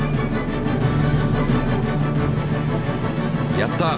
やった！